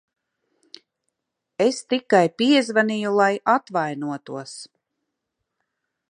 Es tikai piezvanīju, lai atvainotos.